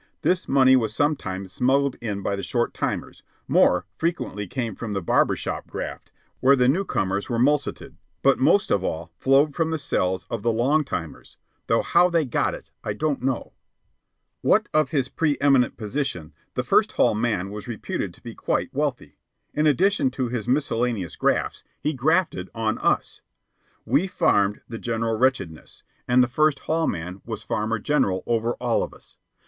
This money was sometimes smuggled in by the short timers, more frequently came from the barber shop graft, where the newcomers were mulcted, but most of all flowed from the cells of the long timers though how they got it I don't know. What of his preeminent position, the First Hall man was reputed to be quite wealthy. In addition to his miscellaneous grafts, he grafted on us. We farmed the general wretchedness, and the First Hall man was Farmer General over all of us.